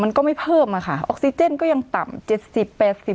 มันก็ไม่เพิ่มอ่ะค่ะออกซิเจนก็ยังต่ำเจ็ดสิบแปดสิบ